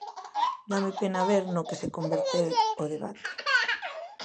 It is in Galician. Dáme pena ver no que se converte o debate.